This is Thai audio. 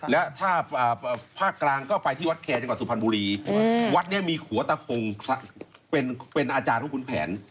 และถ้าภาคกลางก็ไปที่วัดแคร์จังหวัดสุพรรณบุรีวัดนี้มีขัวตะคงเป็นอาจารย์ของคุณแผน